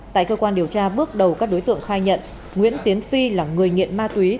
tại cơ quan điều tra bước đầu các đối tượng khai nhận nguyễn tiến phi là người nghiện ma túy